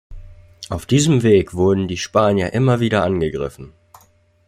Auf diesem Weg wurden die Spanier immer wieder angegriffen.